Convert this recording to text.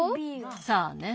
さあね。